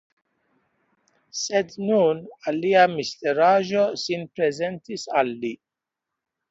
Sed nun alia misteraĵo sin prezentis al li.